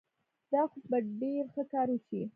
دا خو به ډېر ښه کار وشي.